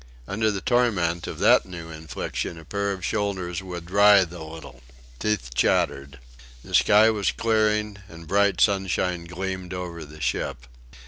Under the torment of that new infliction a pair of shoulders would writhe a little. Teeth chattered. The sky was clearing, and bright sunshine gleamed over the ship.